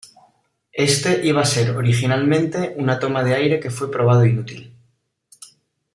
Este iba a ser originalmente una toma de aire que fue probado inútil.